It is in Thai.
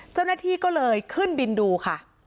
เจ้าหน้าที่ก็เลยขึ้นบินดูค่ะ